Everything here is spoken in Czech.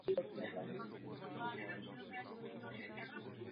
Očekáváme, že Komise v tomto něco seriózně podnikne.